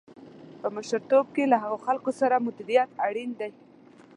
په مشرتوب کې له هغو خلکو سره یې مديريت اړين دی.